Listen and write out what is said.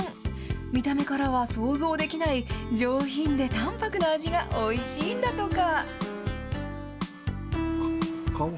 見た目からは想像できない、上品で淡泊な味がおいしいんだとか。